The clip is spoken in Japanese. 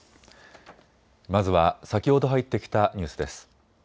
まずは先ほど入ってきたニュースです。